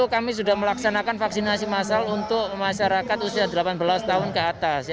kami sudah melaksanakan vaksinasi masal untuk masyarakat usia delapan belas tahun ke atas